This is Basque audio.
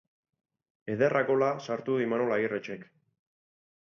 Ederra gola sartu du Imanol Agirretxek!